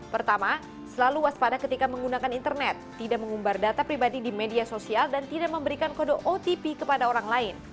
pertama selalu waspada ketika menggunakan internet tidak mengumbar data pribadi di media sosial dan tidak memberikan kode otp kepada orang lain